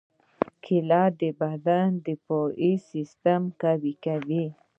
کېله د بدن دفاعي نظام قوي کوي.